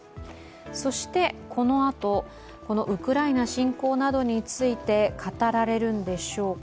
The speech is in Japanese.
そして、このあと、ウクライナ侵攻などについて語られるんでしょうか。